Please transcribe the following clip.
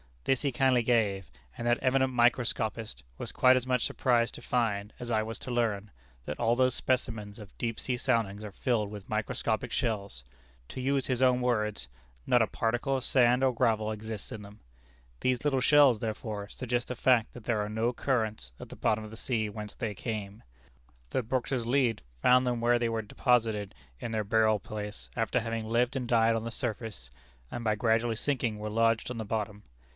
This he kindly gave, and that eminent microscopist was quite as much surprised to find, as I was to learn, that all those specimens of deep sea soundings are filled with microscopic shells; to use his own words, not a particle of sand or gravel exists in them. These little shells, therefore, suggest the fact that there are no currents at the bottom of the sea whence they came; that Brooke's lead found them where they were deposited in their burial place after having lived and died on the surface, and by gradually sinking were lodged on the bottom.